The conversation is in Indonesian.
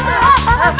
ini kita lihat